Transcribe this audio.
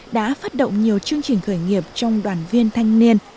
đã phát động nhiều chương trình khởi nghiệp trong đoàn viên thanh niên